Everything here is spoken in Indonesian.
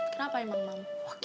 kenapa emang mam